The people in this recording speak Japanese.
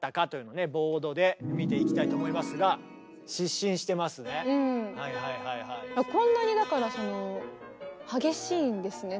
ボードで見ていきたいと思いますがこんなにだからその激しいんですね。